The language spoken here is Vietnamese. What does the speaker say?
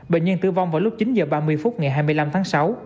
bệnh nhân tử vong vào lúc chín h ba mươi phút ngày hai mươi năm tháng sáu